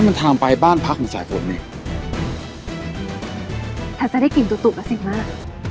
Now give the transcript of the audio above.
นั่นมันทำไปบ้านพักของสายฝนไหมถ้าจะได้กลิ่นตุ๊กตุ๊กกับสิงหมาก